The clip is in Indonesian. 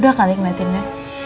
udah kali ngeliatinnya